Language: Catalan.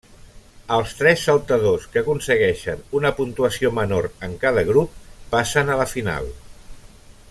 Els tres saltadors que aconsegueixen una puntuació menor en cada grup passen a la final.